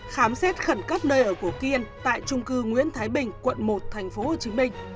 khám xét khẩn cấp nơi ở của kiên tại trung cư nguyễn thái bình quận một tp hcm